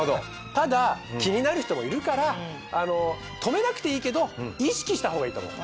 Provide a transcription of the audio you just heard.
ただ気になる人もいるから止めなくていいけど意識したほうがいいと思う。